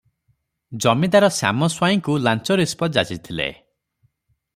ଜମିଦାର ଶ୍ୟାମ ସ୍ୱାଇଁଙ୍କୁ ଲାଞ୍ଚ ରିସପତ୍ ଯାଚିଥିଲେ ।